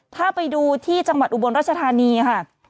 ถ้าไปดูที่จังหวัดอุบลรัชธานีค่ะ